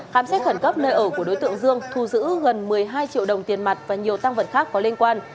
khám xét khẩn cấp nơi ở của đối tượng dương thu giữ gần một mươi hai triệu đồng tiền mặt và nhiều tăng vật khác có liên quan